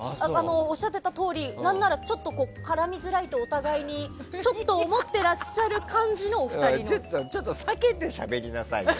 おっしゃっていたとおり何なら絡みづらいとお互いにちょっと思ってらっしゃる感じのちょっと避けてしゃべりなさい。